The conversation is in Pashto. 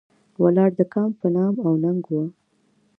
ولاړ د کام په نام او ننګ و.